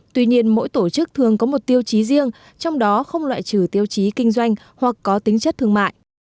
tuy nhiên mỗi tổ chức thường có một tiêu chí riêng trong đó không loại trừ tiêu chí kinh doanh hoặc có tính chất thương mại